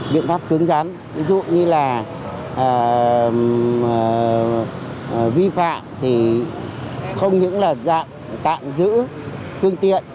biện pháp cứng rắn ví dụ như là vi phạm thì không những là dạng tạm giữ phương tiện